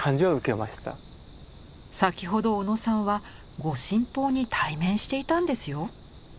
先ほど小野さんは御神宝に対面していたんですよ。